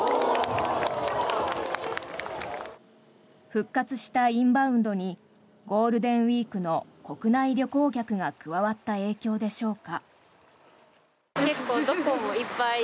復活したインバウンドにゴールデンウィークの国内旅行客が加わった影響でしょうか。